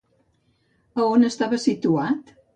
A on estava situat?